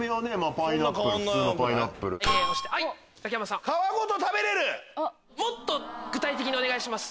ピンポンもっと具体的にお願いします。